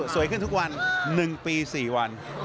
ขึ้นทุกวัน๑ปี๔วัน